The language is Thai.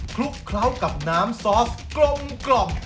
ลุกเคล้ากับน้ำซอสกลม